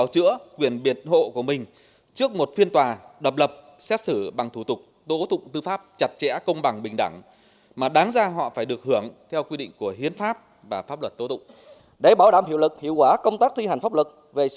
trước một phiên tòa đập lập xét xử bằng thủ tục tổ tục tư pháp chặt chẽ công bằng bình đẳng mà đáng ra họ phải được hưởng theo quy định của hiến pháp và pháp luật tổ tục